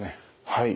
はい。